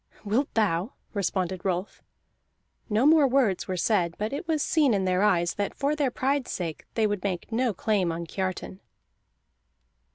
"Wilt thou?" responded Rolf. No more words were said, but it was seen in their eyes that for their pride's sake they would make no claim on Kiartan.